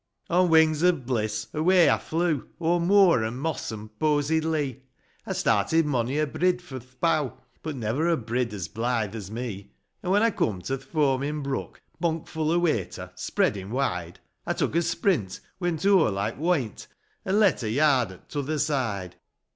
On wings of bliss, away I flew, O'er moor, an' moss, an' posied lea ; I started mony a brid fro' th' bough, But never a brid as bliihe as me : An' when I coom to th' foamin' bruck, Bonk full o' wayter, spreadin' wide, I took a sprint, went o'er like woint, An' let a yard o' t'other side.